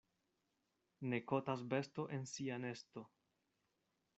Ne kotas besto en sia nesto.